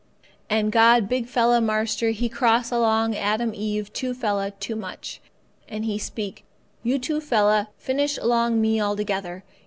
"And God big fella marster He cross along Adam Eve two fella too much, and He speak, 'You two fella finish along me altogether.